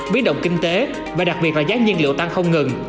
biến động kinh tế và đặc biệt là giá nhiên liệu tăng không ngừng